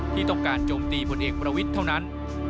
ที่ต้องการโจมตีผลเอกประวิทย์เท่านั้น